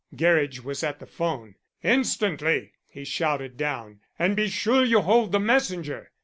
Gerridge was at the 'phone. "Instantly," he shouted down, "and be sure you hold the messenger.